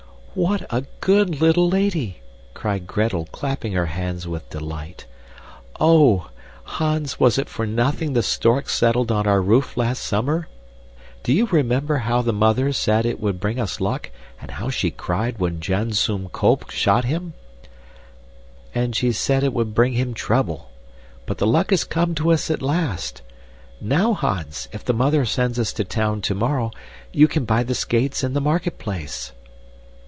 "What a good little lady!" cried Gretel, clapping her hands with delight. "Oh! Hans, was it for nothing the stork settled on our roof last summer? Do you remember how the mother said it would bring us luck and how she cried when Janzoon Kolp shot him? And she set it would bring him trouble. But the luck has come to us at last! Now, Hans, if the mother sends us to town tomorrow, you can buy the skates in the marketplace."